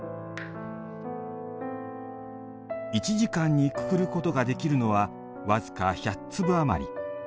１時間にくくることができるのはわずか１００粒あまり。